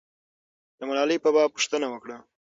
د ملالۍ په باب پوښتنه وکړه.